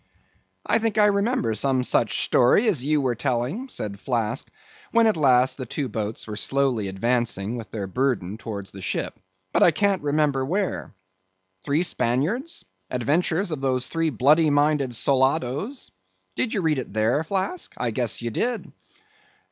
"I think I remember some such story as you were telling," said Flask, when at last the two boats were slowly advancing with their burden towards the ship, "but I can't remember where." "Three Spaniards? Adventures of those three bloody minded soldadoes? Did ye read it there, Flask? I guess ye did?"